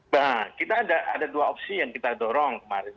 nah kita ada dua opsi yang kita dorong kemarin